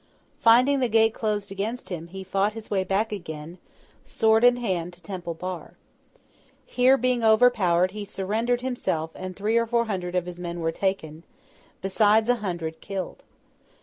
Finding the gate closed against him, he fought his way back again, sword in hand, to Temple Bar. Here, being overpowered, he surrendered himself, and three or four hundred of his men were taken, besides a hundred killed.